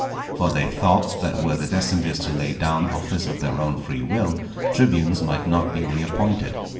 For they thought that were the decemvirs to lay down office of their own free will, tribunes might not be reappointed.